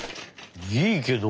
いいけど。